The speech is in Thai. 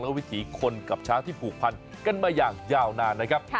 และวิถีคนกับช้างที่ผูกพันกันมาอย่างยาวนานนะครับ